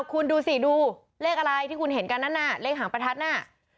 คุณดูสิดูเลขอะไรที่คุณเห็นกันนั้นน่ะเลขหางประทัดน่ะ